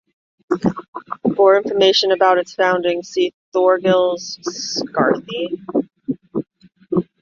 For information about its founding, see Thorgils Skarthi.